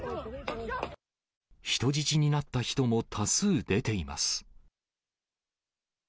人質になった人も多数出ています。